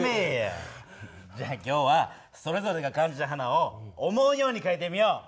じゃ今日はそれぞれが感じた花を思うようにかいてみよう。